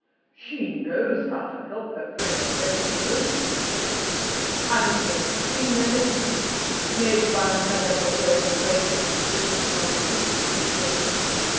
"She knows how to help her friends better than most people. I have known three men, at least, made by Mademoiselle Le Breton within the last two or three years.